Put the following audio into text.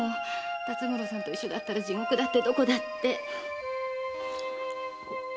辰五郎さんと一緒なら地獄だってどこだって。